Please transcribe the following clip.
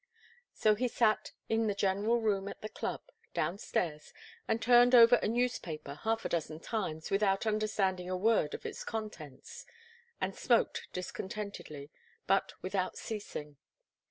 So he sat in the general room at the club, downstairs, and turned over a newspaper half a dozen times without understanding a word of its contents, and smoked discontentedly, but without ceasing.